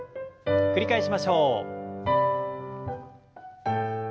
繰り返しましょう。